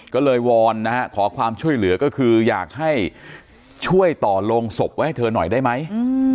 ก็เลยวอนนะฮะขอความช่วยเหลือก็คืออยากให้ช่วยต่อโรงศพไว้ให้เธอหน่อยได้ไหม